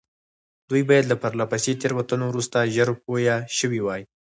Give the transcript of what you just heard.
دوی باید له پرله پسې تېروتنو وروسته ژر پوه شوي وای.